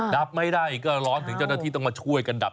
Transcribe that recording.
ดับไม่ได้ก็ร้อนถึงเจ้าหน้าที่ต้องมาช่วยกันดับ